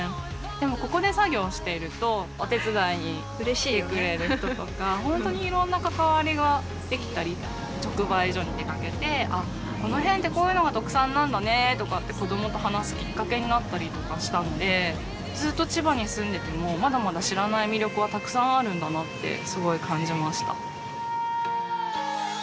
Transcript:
でもここで作業をしているとお手伝いに来てくれる人とか本当にいろんな関わりが出来たり直売所に出かけてあこの辺ってこういうのが特産なんだねとかって子供と話すきっかけになったりとかしたんでずっと千葉に住んでてもまだまだ知らない魅力はたくさんあるんだなってすごい感じました。